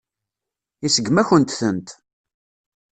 Iseggem-akent-tent.